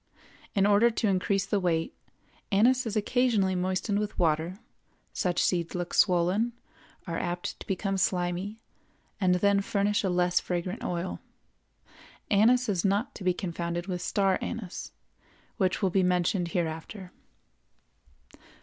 In order to increase the weight, anise is occasionally moistened with water; such seeds look swollen, are apt to become slimy, and then furnish a less fragrant oil. Anise is not to be confounded with star anise, which will be mentioned hereafter.